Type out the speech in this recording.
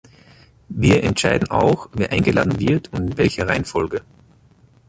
Wir entscheiden auch, wer eingeladen wird und in welcher Reihenfolge.